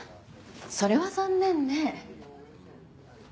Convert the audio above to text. それは残念ね。